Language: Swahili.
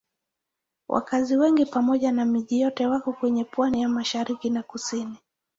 Wakazi wengi pamoja na miji yote wako kwenye pwani ya mashariki na kusini.